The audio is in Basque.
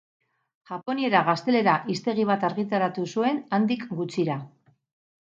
Japoniera-gaztelera hiztegi bat argitaratu zuen handik gutxira.